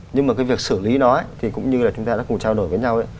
nhưng mà cái việc xử lý nó thì cũng như là chúng ta đã cùng trao đổi với nhau